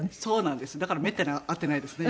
だからめったに会ってないですね